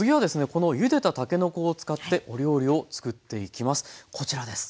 このゆでたたけのこを使ってお料理を作っていきます。